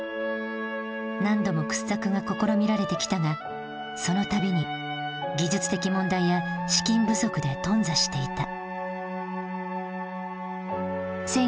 何度も掘削が試みられてきたがその度に技術的問題や資金不足で頓挫していた。